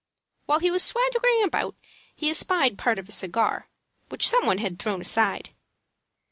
While he was swaggering about he espied part of a cigar, which some one had thrown aside.